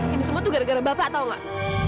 ini semua tuh gara gara bapak tau gak